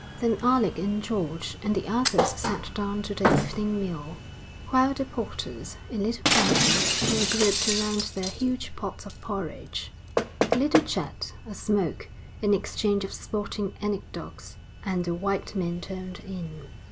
Then Alec and George, and the others sat down to their evening meal, while the porters, in little parties, were grouped around their huge pots of porridge. A little chat, a smoke, an exchange of sporting anecdotes, and the white men turned in.